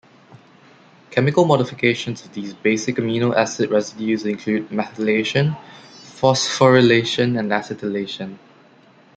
Chemical modifications of these basic amino acid residues include methylation, phosphorylation, and acetylation.